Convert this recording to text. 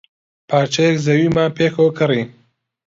پارچەیەک زەویمان پێکەوە کڕی.